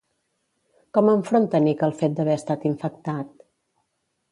Com enfronta Nick el fet d'haver estat infectat?